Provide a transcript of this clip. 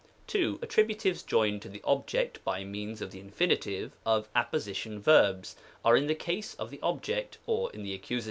2. Attributives joined to the object by means of the Infin. of Apposition verbs, are in the case of the object, or in the Accus.